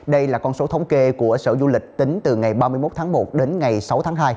đây là con số thống kê của sở du lịch tính từ ngày ba mươi một tháng một đến ngày sáu tháng hai